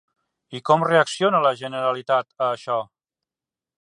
I com reacciona la Generalitat a això?